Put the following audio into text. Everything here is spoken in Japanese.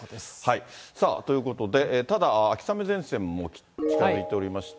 さあ、ということで、ただ秋雨前線も近づいておりまして。